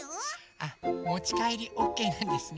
あっもちかえりオッケーなんですね？